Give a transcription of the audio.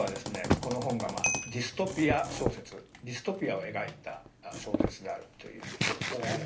この本がディストピア小説ディストピアを描いた小説であるということですね。